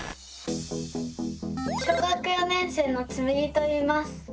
小学４年生のつむぎといいます。